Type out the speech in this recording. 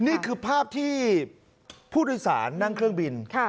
นี่คือภาพที่ผู้โดยสารนั่งเครื่องบิน